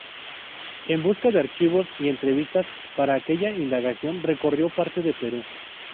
En busca de archivos y entrevistas para aquella indagación, recorrió parte de Perú.